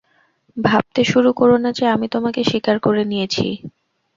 ভাবতে শুরু কোরো না যে আমি তোমাকে স্বীকার করে নিয়েছি!